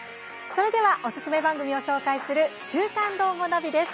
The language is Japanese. それではおすすめ番組を紹介する「週刊どーもナビ」です。